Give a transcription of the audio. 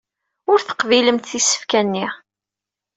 Ur teqbilemt isefka-nni.